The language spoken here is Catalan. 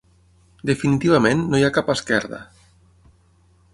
Definitivament no hi ha cap esquerda.